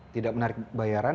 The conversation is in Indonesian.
tidak menarik bayaran